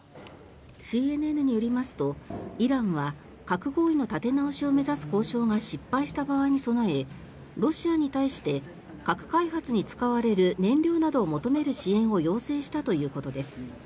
ＣＮＮによりますとイランは核合意の立て直しを目指す交渉が失敗した場合に備えロシアに対して核開発に使われる燃料などを求める支援を要請したということです。